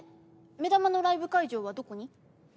目玉のライブ会場はどこに？